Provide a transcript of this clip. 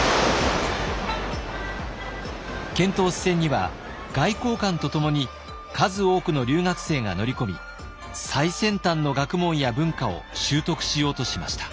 遣唐使船には外交官とともに数多くの留学生が乗り込み最先端の学問や文化を習得しようとしました。